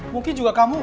mungkin juga kamu